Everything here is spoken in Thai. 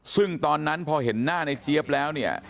ซึ่งตอนนั้นพอเห็นหน้าในเจี๊ยบแล้วเนี่ย